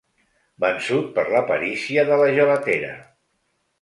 Vençut per la perícia de la gelatera.